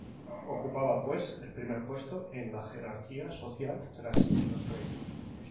Ocupaba pues el primer puesto en la jerarquía social tras el rey.